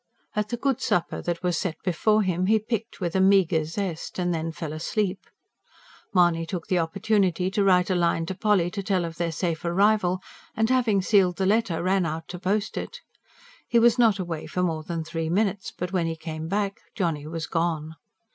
At the good supper that was set before him he picked with a meagre zest; then fell asleep. Mahony took the opportunity to write a line to Polly to tell of their safe arrival; and having sealed the letter, ran out to post it. He was not away for more than three minutes, but when he came back Johnny was gone.